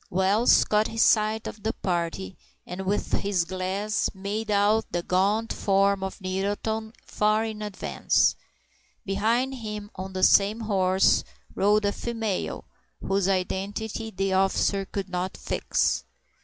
Wells caught sight of the party, and with his glass made out the gaunt form of Nettleton far in advance. Behind him on the same horse rode a female, whose identity the officer could not fix.